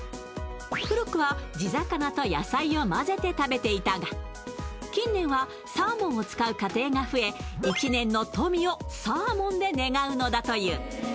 古くは地魚と野菜をまぜて食べていたが近年はサーモンを使う家庭が増え１年の富をサーモンで願うのだという。